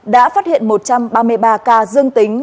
đã phát hiện một trăm ba mươi ba ca dương tính